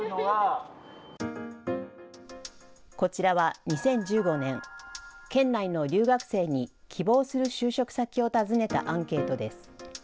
こちらは２０１５年、県内の留学生に希望する就職先を尋ねたアンケートです。